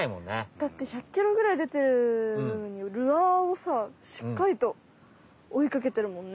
だって１００キロぐらいでてるルアーをさしっかりと追いかけてるもんね。